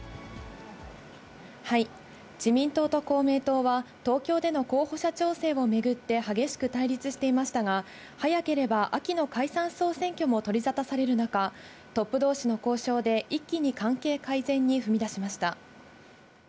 自民党と公明党は、東京での候補者調整を巡って激しく対立していましたが、早ければ秋の解散・総選挙も取り沙汰される中、トップどうしの交渉で一気に関係改善に踏み出しました。